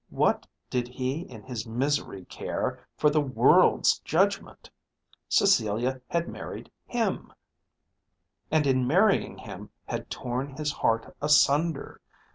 What did he in his misery care for the world's judgment? Cecilia had married him, and in marrying him had torn his heart asunder.